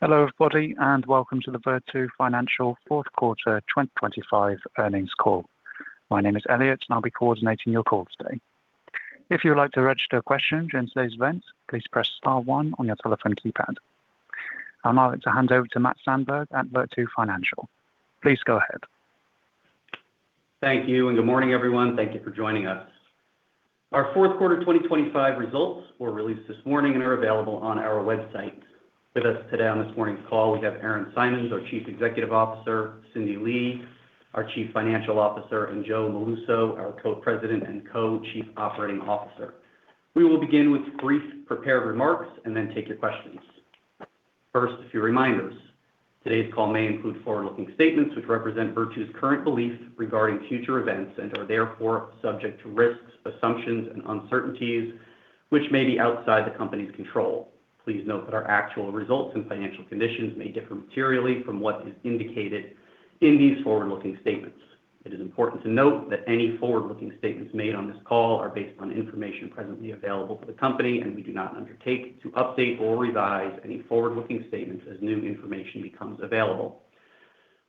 Hello, everybody, and welcome to the Virtu Financial fourth quarter 2025 earnings call. My name is Elliot, and I'll be coordinating your call today. If you would like to register a question during today's event, please press star one on your telephone keypad. I'd now like to hand over to Matt Sandberg at Virtu Financial. Please go ahead. Thank you, and good morning, everyone. Thank you for joining us. Our fourth quarter 2025 results were released this morning and are available on our website. With us today on this morning's call, we have Aaron Simons, our Chief Executive Officer, Cindy Lee, our Chief Financial Officer, and Joe Molluso, our Co-president and Co-chief Operating Officer. We will begin with brief prepared remarks and then take your questions. First, a few reminders. Today's call may include forward-looking statements which represent Virtu's current beliefs regarding future events and are therefore subject to risks, assumptions, and uncertainties which may be outside the company's control. Please note that our actual results and financial conditions may differ materially from what is indicated in these forward-looking statements. It is important to note that any forward-looking statements made on this call are based on information presently available to the company, and we do not undertake to update or revise any forward-looking statements as new information becomes available.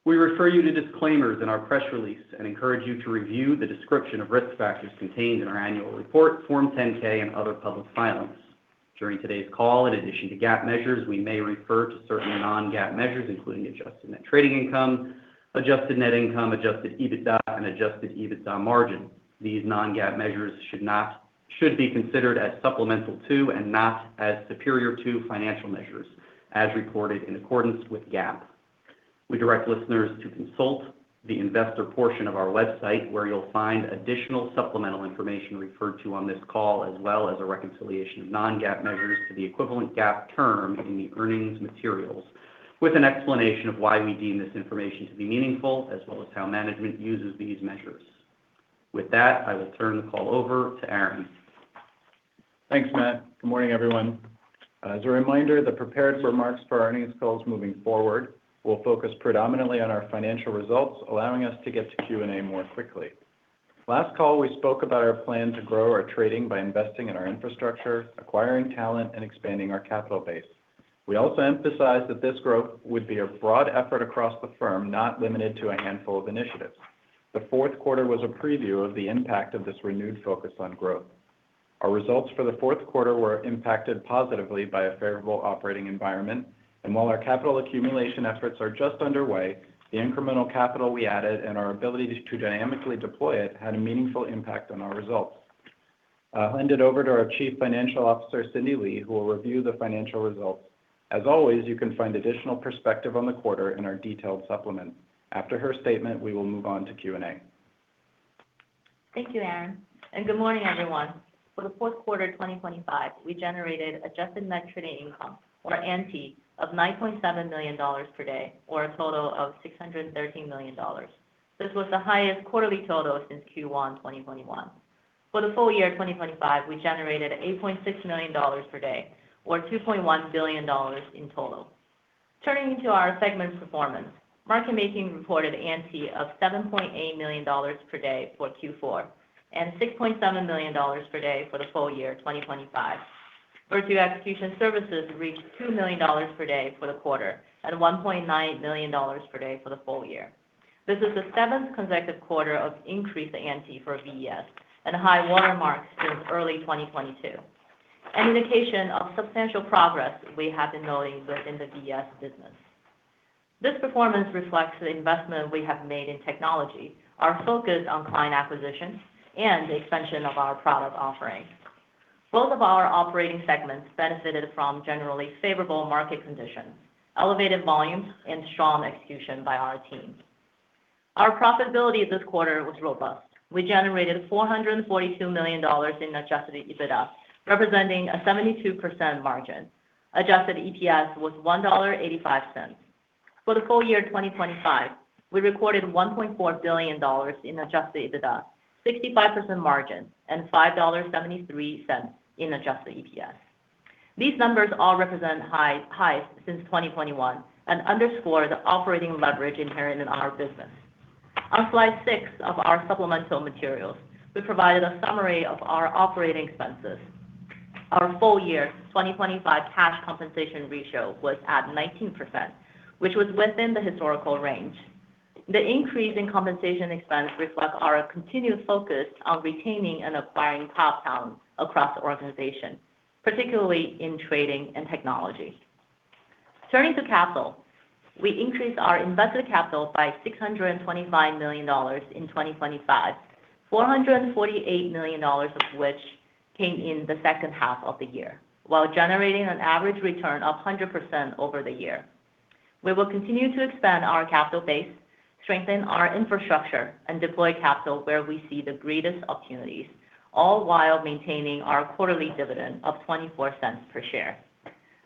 We refer you to disclaimers in our press release and encourage you to review the description of risk factors contained in our annual report, Form 10-K, and other public filings. During today's call, in addition to GAAP measures, we may refer to certain non-GAAP measures, including adjusted net trading income, adjusted net income, adjusted EBITDA, and adjusted EBITDA margin. These non-GAAP measures should be considered as supplemental to and not as superior to financial measures as reported in accordance with GAAP. We direct listeners to consult the investor portion of our website, where you'll find additional supplemental information referred to on this call, as well as a reconciliation of non-GAAP measures to the equivalent GAAP term in the earnings materials, with an explanation of why we deem this information to be meaningful, as well as how management uses these measures. With that, I will turn the call over to Aaron. Thanks, Matt. Good morning, everyone. As a reminder, the prepared remarks for our earnings calls moving forward will focus predominantly on our financial results, allowing us to get to Q&A more quickly. Last call, we spoke about our plan to grow our trading by investing in our infrastructure, acquiring talent, and expanding our capital base. We also emphasized that this growth would be a broad effort across the firm, not limited to a handful of initiatives. The fourth quarter was a preview of the impact of this renewed focus on growth. Our results for the fourth quarter were impacted positively by a favorable operating environment, and while our capital accumulation efforts are just underway, the incremental capital we added and our ability to dynamically deploy it had a meaningful impact on our results. I'll hand it over to our Chief Financial Officer, Cindy Lee, who will review the financial results. As always, you can find additional perspective on the quarter in our detailed supplement. After her statement, we will move on to Q&A. Thank you, Aaron, and good morning, everyone. For the fourth quarter of 2025, we generated adjusted net trading income, or NT, of $9.7 million per day, or a total of $613 million. This was the highest quarterly total since Q1 2021. For the full year 2025, we generated $8.6 million per day, or $2.1 billion in total. Turning to our segment performance, Market Making reported NT of $7.8 million per day for Q4 and $6.7 million per day for the full year 2025. Virtu Execution Services reached $2 million per day for the quarter and $1.9 million per day for the full year. This is the seventh consecutive quarter of increased NT for VES and a high watermark since early 2022, an indication of substantial progress we have been noting within the VES business. This performance reflects the investment we have made in technology, our focus on client acquisition, and the expansion of our product offerings. Both of our operating segments benefited from generally favorable market conditions, elevated volumes, and strong execution by our teams. Our profitability this quarter was robust. We generated $442 million in adjusted EBITDA, representing a 72% margin. Adjusted EPS was $1.85. For the full year 2025, we recorded $1.4 billion in adjusted EBITDA, 65% margin, and $5.73 in adjusted EPS. These numbers all represent high, highs since 2021 and underscore the operating leverage inherent in our business. On slide 6 of our supplemental materials, we provided a summary of our operating expenses. Our full year 2025 cash compensation ratio was at 19%, which was within the historical range. The increase in compensation expense reflects our continued focus on retaining and acquiring top talent across the organization, particularly in trading and technology. Turning to capital, we increased our invested capital by $625 million in 2025, $448 million of which came in the second half of the year, while generating an average return of 100% over the year. We will continue to expand our capital base, strengthen our infrastructure, and deploy capital where we see the greatest opportunities, all while maintaining our quarterly dividend of $0.24 per share.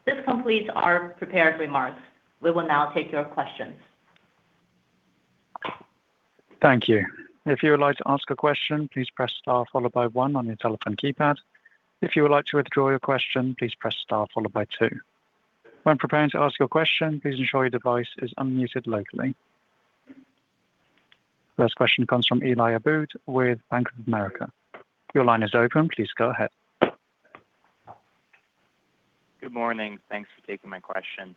This completes our prepared remarks. We will now take your questions. Thank you. If you would like to ask a question, please press star followed by one on your telephone keypad. If you would like to withdraw your question, please press star followed by two. When preparing to ask your question, please ensure your device is unmuted locally. First question comes from Eli Abboud with Bank of America. Your line is open. Please go ahead. Good morning. Thanks for taking my question.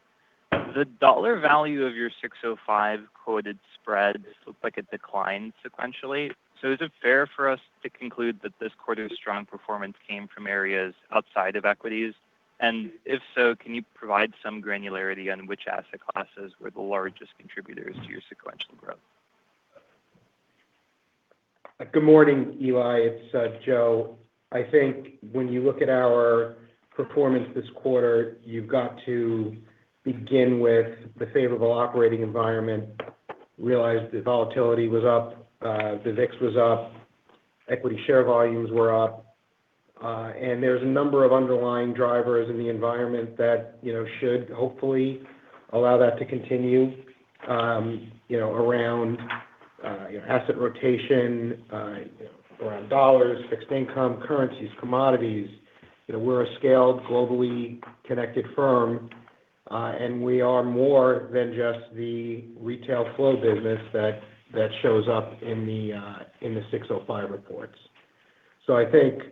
The dollar value of your 605 quoted spreads looked like it declined sequentially. So is it fair for us to conclude that this quarter's strong performance came from areas outside of equities? And if so, can you provide some granularity on which asset classes were the largest contributors to your sequential growth? Good morning, Eli, it's Joe. I think when you look at our performance this quarter, you've got to begin with the favorable operating environment, realize the volatility was up, the VIX was up, equity share volumes were up. And there's a number of underlying drivers in the environment that, you know, should hopefully allow that to continue, you know, around, you know, asset rotation, around dollars, fixed income, currencies, commodities. You know, we're a scaled, globally connected firm, and we are more than just the retail flow business that, that shows up in the, in the 605 reports. So I think,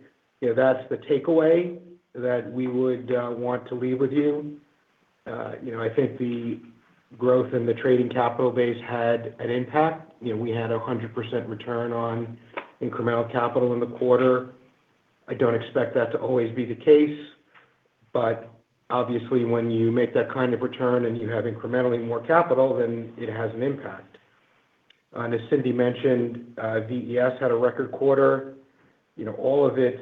you know, that's the takeaway that we would, want to leave with you. You know, I think the growth in the trading capital base had an impact. You know, we had a 100% return on incremental capital in the quarter. I don't expect that to always be the case, but obviously, when you make that kind of return and you have incrementally more capital, then it has an impact. As Cindy mentioned, VES had a record quarter. You know, all of its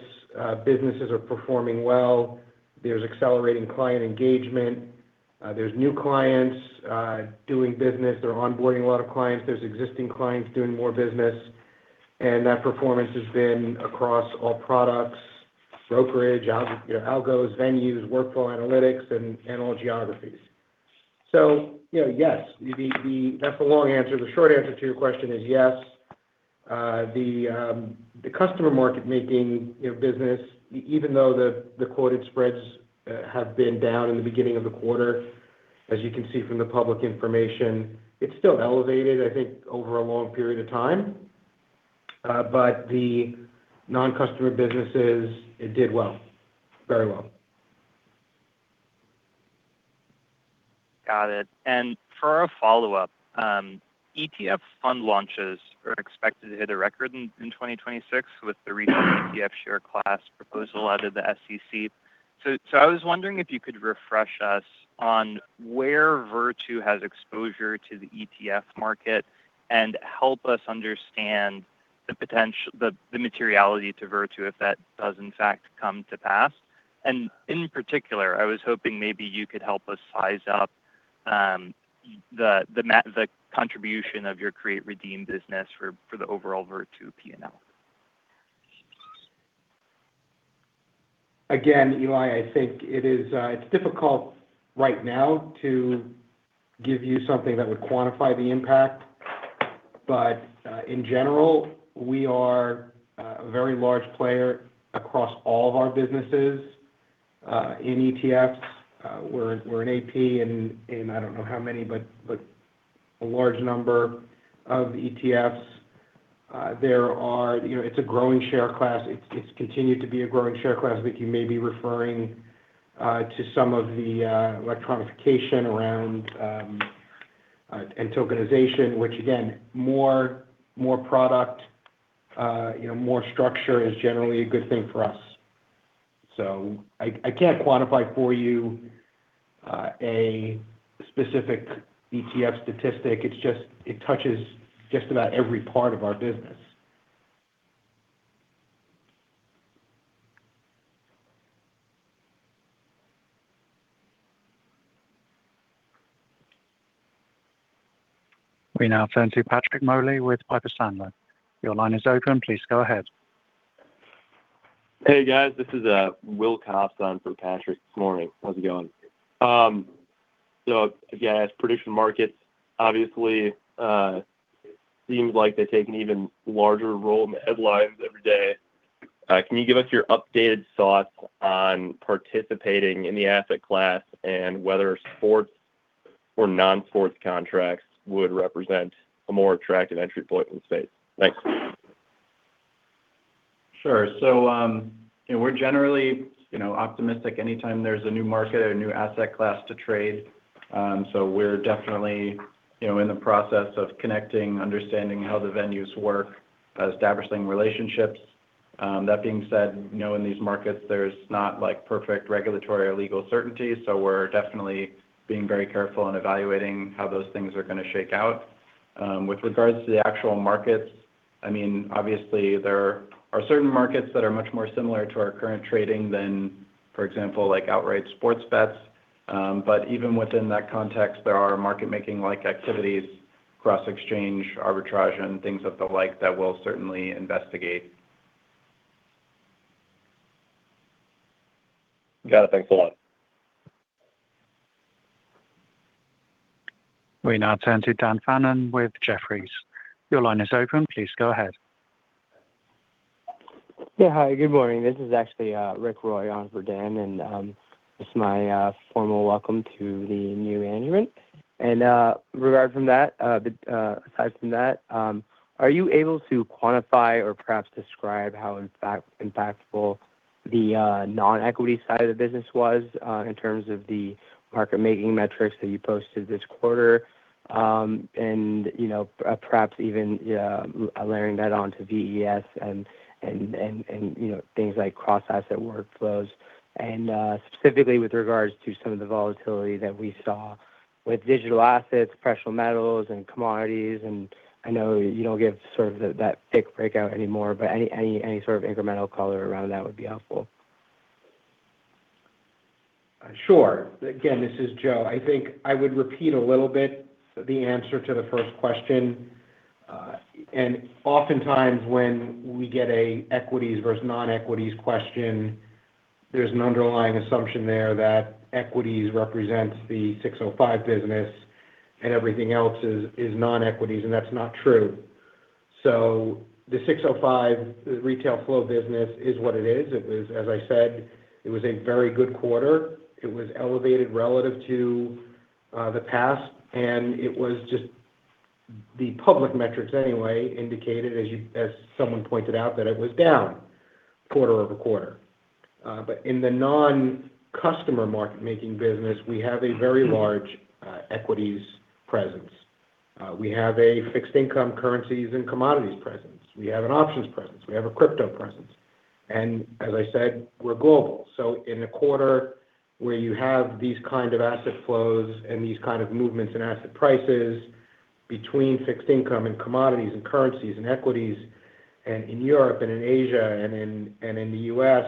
businesses are performing well. There's accelerating client engagement. There's new clients doing business. They're onboarding a lot of clients. There's existing clients doing more business, and that performance has been across all products, brokerage, algos, venues, workflow analytics, and all geographies. So, you know, yes. That's the long answer. The short answer to your question is yes. The customer market making, you know, business, even though the quoted spreads have been down in the beginning of the quarter, as you can see from the public information, it's still elevated, I think, over a long period of time. But the non-customer businesses, it did well. Very well. Got it. And for our follow-up, ETF fund launches are expected to hit a record in 2026 with the recent ETF share class proposal out of the SEC. So I was wondering if you could refresh us on where Virtu has exposure to the ETF market and help us understand the materiality to Virtu, if that does in fact come to pass. And in particular, I was hoping maybe you could help us size up the contribution of your create/redeem business for the overall Virtu P&L. Again, Eli, I think it is, it's difficult right now to give you something that would quantify the impact. But, in general, we are, a very large player across all of our businesses, in ETFs. We're, we're an AP in, in I don't know how many, but, but a large number of ETFs. it's a growing share class. It's, it's continued to be a growing share class, but you may be referring, to some of the, electronification around, and tokenization, which again, more, more product, you know, more structure is generally a good thing for us. So I, I can't quantify for you, a specific ETF statistic. It's just, it touches just about every part of our business. We now turn to Patrick Moley with Piper Sandler. Your line is open. Please go ahead. Hey, guys, this is Will Cops on for Patrick this morning. How's it going? So again, as prediction markets, obviously, seems like they take an even larger role in the headlines every day. Can you give us your updated thoughts on participating in the asset class and whether sports or non-sports contracts would represent a more attractive entry point in the space? Thanks. Sure. So, you know, we're generally, you know, optimistic anytime there's a new market or a new asset class to trade. So we're definitely, you know, in the process of connecting, understanding how the venues work, establishing relationships. That being said, you know, in these markets, there's not like perfect regulatory or legal certainty, so we're definitely being very careful in evaluating how those things are going to shake out. With regards to the actual markets, I mean, obviously there are certain markets that are much more similar to our current trading than, for example, like outright sports bets. But even within that context, there are market-making like activities, cross-exchange arbitrage, and things of the like that we'll certainly investigate. Got it. Thanks a lot. We now turn to Dan Fannon with Jefferies. Your line is open. Please go ahead. Yeah. Hi, good morning. This is actually Ritwik Roy on for Dan, and just my formal welcome to the new unit. And regardless of that, aside from that, are you able to quantify or perhaps describe how impactful the non-equity side of the business was in terms of the market-making metrics that you posted this quarter? And you know, perhaps even layering that on to VES and you know, things like cross-asset workflows. And specifically with regards to some of the volatility that we saw with digital assets, precious metals, and commodities, and I know you don't give sort of that thick breakout anymore, but any sort of incremental color around that would be helpful. Sure. Again, this is Joe. I think I would repeat a little bit the answer to the first question. And oftentimes, when we get a equities versus non-equities question, there's an underlying assumption there that equities represents the Rule 605 business, and everything else is, is non-equities, and that's not true. So the Rule 605, retail flow business, is what it is. It is, as I said, it was a very good quarter. It was elevated relative to the past, and it was just. The public metrics, anyway, indicated, as you—as someone pointed out, that it was down quarter-over-quarter. But in the non-customer market-making business, we have a very large equities presence. We have a fixed income, currencies, and commodities presence. We have an options presence. We have a crypto presence. And as I said, we're global. So in a quarter where you have these kind of asset flows and these kind of movements in asset prices between fixed income and commodities and currencies and equities, and in Europe and in Asia and in the U.S.,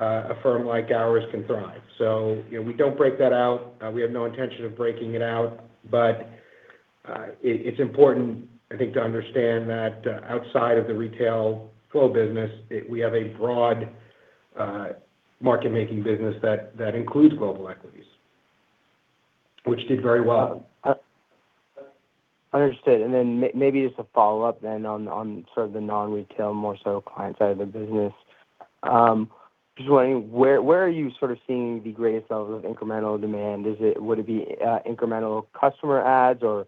a firm like ours can thrive. So, you know, we don't break that out. We have no intention of breaking it out, but, it, it's important, I think, to understand that, outside of the retail flow business, we have a broad, market-making business that includes global equities, which did very well. Understood. And then maybe just a follow-up then on sort of the non-retail, more so client side of the business. Just wondering, where are you sort of seeing the greatest levels of incremental demand? Is it would it be incremental customer adds or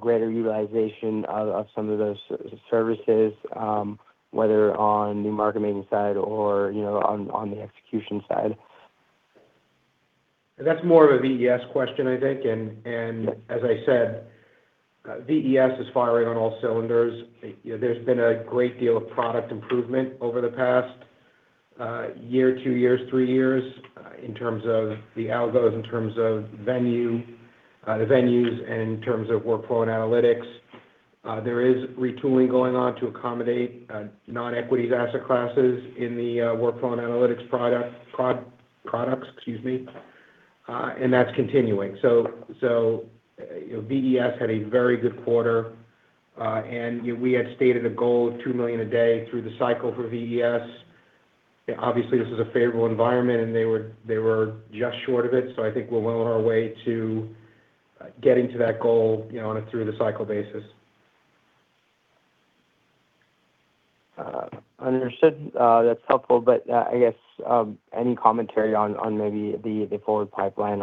greater utilization out of some of those services, whether on the market-making side or, you know, on the execution side? That's more of a VES question, I think. And, as I said, VES is firing on all cylinders. You know, there's been a great deal of product improvement over the past year, two years, three years, in terms of the algos, in terms of venue, the venues, and in terms of workflow and analytics. There is retooling going on to accommodate non-equities asset classes in the workflow and analytics products, excuse me, and that's continuing. So, VES had a very good quarter, and we had stated a goal of $2 million a day through the cycle for VES. Obviously, this is a favorable environment, and they were just short of it, so I think we're well on our way to getting to that goal, you know, on a through-the-cycle basis. Understood. That's helpful, but I guess any commentary on maybe the forward pipeline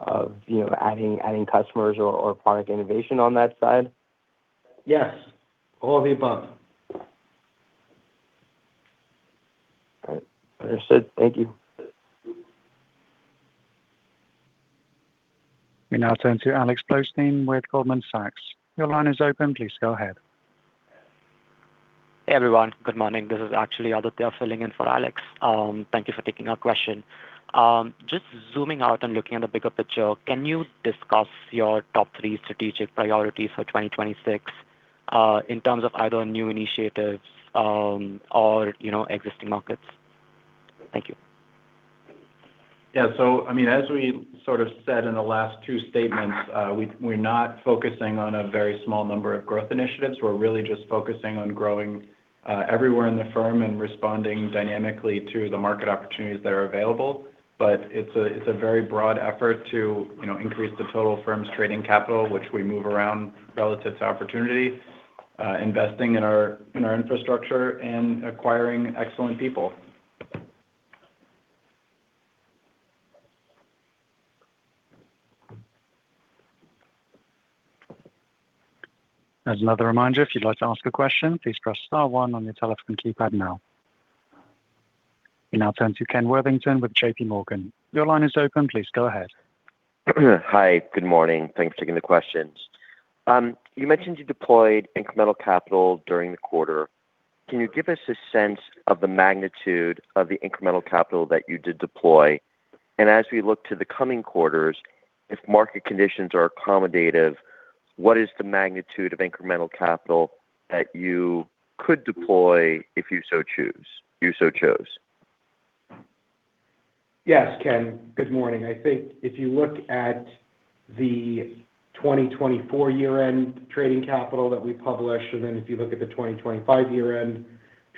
of, you know, adding customers or product innovation on that side? Yes, all of the above. All right. Understood. Thank you. We now turn to Alex Blostein with Goldman Sachs. Your line is open. Please go ahead. Hey, everyone. Good morning. This is actually Aditya filling in for Alex. Thank you for taking our question. Just zooming out and looking at the bigger picture, can you discuss your top three strategic priorities for 2026, in terms of either new initiatives, or, you know, existing markets? Thank you. Yeah. So I mean, as we sort of said in the last two statements, we're not focusing on a very small number of growth initiatives. We're really just focusing on growing everywhere in the firm and responding dynamically to the market opportunities that are available. But it's a, it's a very broad effort to, you know, increase the total firm's trading capital, which we move around relative to opportunity, investing in our infrastructure and acquiring excellent people. As another reminder, if you'd like to ask a question, please press star one on your telephone keypad now. We now turn to Ken Worthington with JPMorgan. Your line is open. Please go ahead. Hi, good morning. Thanks for taking the questions. You mentioned you deployed incremental capital during the quarter. Can you give us a sense of the magnitude of the incremental capital that you did deploy? And as we look to the coming quarters, if market conditions are accommodative, what is the magnitude of incremental capital that you could deploy if you so choose—you so chose? Yes, Ken. Good morning. I think if you look at the 2024 year-end trading capital that we published, and then if you look at the 2025 year-end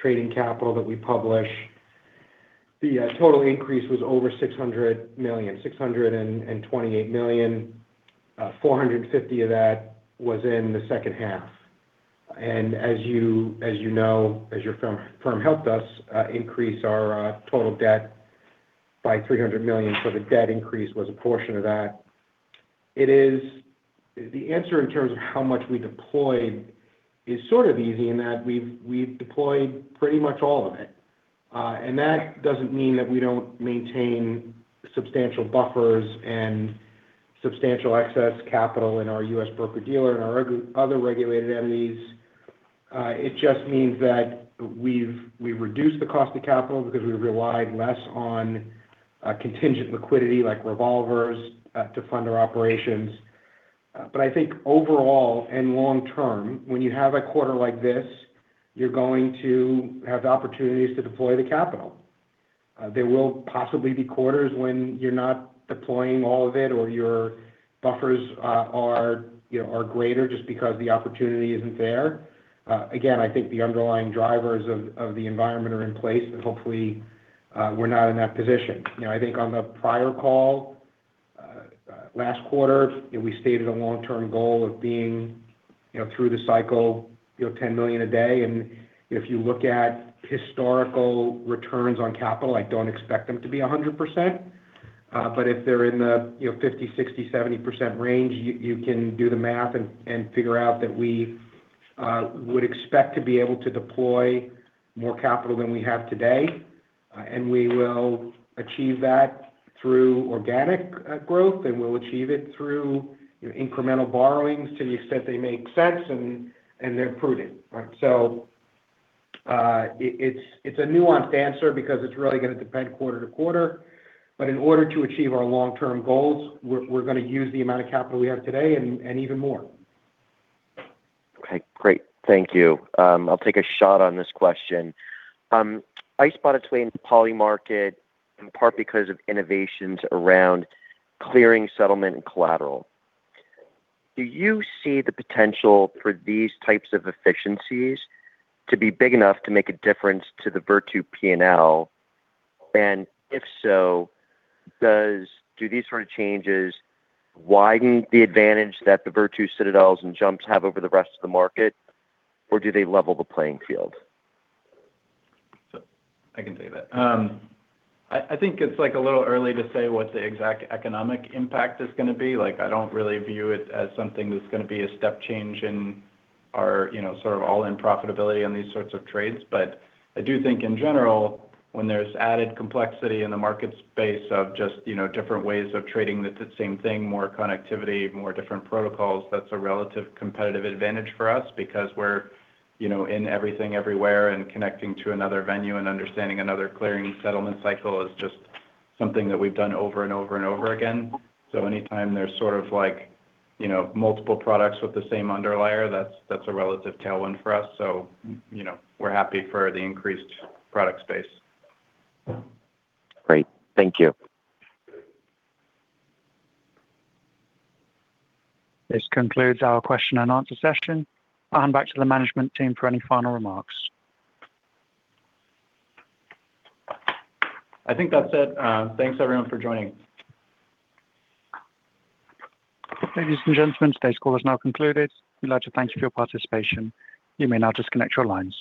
trading capital that we published. The total increase was over $600 million, $628 million. $450 million of that was in the second half. And as you know, as your firm helped us increase our total debt by $300 million. So the debt increase was a portion of that. It is. The answer in terms of how much we deployed is sort of easy, in that we've deployed pretty much all of it. And that doesn't mean that we don't maintain substantial buffers and substantial excess capital in our U.S. broker dealer and our other regulated entities. It just means that we've reduced the cost of capital because we relied less on contingent liquidity, like revolvers, to fund our operations. But I think overall and long-term, when you have a quarter like this, you're going to have opportunities to deploy the capital. There will possibly be quarters when you're not deploying all of it, or your buffers, you know, are greater just because the opportunity isn't there. Again, I think the underlying drivers of the environment are in place, and hopefully, we're not in that position. You know, I think on the prior call last quarter, you know, we stated a long-term goal of being, you know, through the cycle, you know, $10 million a day. If you look at historical returns on capital, I don't expect them to be 100%. But if they're in the, you know, 50%, 60%, 70% range, you, you can do the math and, and figure out that we would expect to be able to deploy more capital than we have today. And we will achieve that through organic growth, and we'll achieve it through, you know, incremental borrowings to the extent they make sense and, and they're prudent, right? So, it, it's, it's a nuanced answer because it's really going to depend quarter to quarter, but in order to achieve our long-term goals, we're, we're going to use the amount of capital we have today and, and even more. Okay, great. Thank you. I'll take a shot on this question. I spotted its way into Polymarket, in part because of innovations around clearing, settlement, and collateral. Do you see the potential for these types of efficiencies to be big enough to make a difference to the Virtu P&L? And if so, do these sort of changes widen the advantage that the Virtu, Citadels, and Jumps have over the rest of the market, or do they level the playing field? So I can take that. I think it's, like, a little early to say what the exact economic impact is going to be. Like, I don't really view it as something that's going to be a step change in our, you know, sort of all-in profitability on these sorts of trades. But I do think in general, when there's added complexity in the market space of just, you know, different ways of trading the same thing, more connectivity, more different protocols, that's a relative competitive advantage for us. Because we're, you know, in everything, everywhere, and connecting to another venue and understanding another clearing settlement cycle is just something that we've done over and over again. So anytime there's sort of like, you know, multiple products with the same underlayer, that's a relative tailwind for us. So, you know, we're happy for the increased product space. Great. Thank you. This concludes our question and answer session. I'll hand back to the management team for any final remarks. I think that's it. Thanks, everyone, for joining. Ladies and gentlemen, today's call is now concluded. We'd like to thank you for your participation. You may now disconnect your lines.